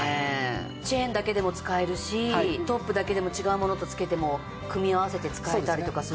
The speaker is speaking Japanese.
チェーンだけでも使えるしトップだけでも違うものとつけても組み合わせて使えたりとかするけど。